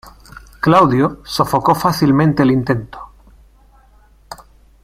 Claudio sofocó fácilmente el intento.